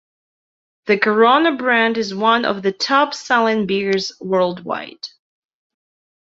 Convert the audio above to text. The Corona brand is one of the top-selling beers worldwide.